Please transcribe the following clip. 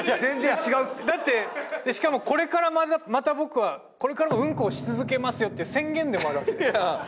だってしかもこれからまた僕はこれからもウンコをし続けますよっていう宣言でもあるわけです。